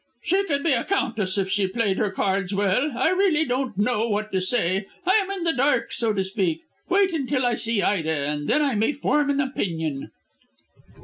"She could be a countess if she played her cards well. I really don't know what to say; I am in the dark, so to speak. Wait until I see Ida and then I may form an opinion."